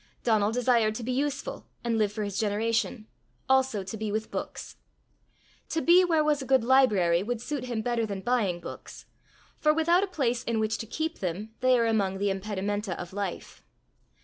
Donal desired to be useful and live for his generation, also to be with books. To be where was a good library would suit him better than buying books, for without a place in which to keep them, they are among the impedimenta of life.